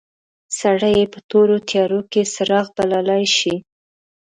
سړی یې په تورو تیارو کې څراغ بللای شي.